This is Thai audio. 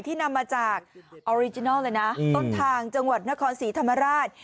ที่นำมาจากต้นทางจังหวัดนครสีธรรมราช